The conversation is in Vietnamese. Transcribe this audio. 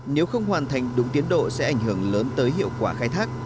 nếu không hoàn thành đúng tiến độ sẽ ảnh hưởng lớn tới hiệu quả khai thác